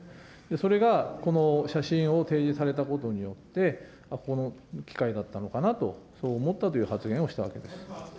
それがこの写真を提示されたことによって、この機会だったのかなと、そう思ったという発言をしたわけです。